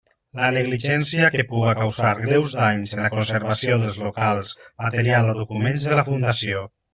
La negligència que puga causar greus danys en la conservació dels locals, material o documents de la Fundació.